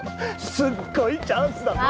すっごいチャンスだぞ！